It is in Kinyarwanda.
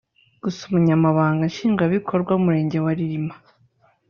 Gusa Umunyamabanga Nshingwabikorwa w’Umurenge wa Rilima